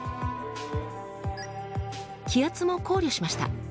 気圧も考慮しました。